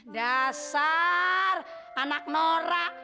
dasar anak nora